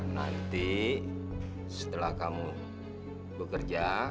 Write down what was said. nanti setelah kamu bekerja